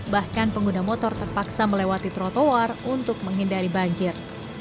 bahkan pengguna motor terpaksa melewati trotoar untuk menghindari banjir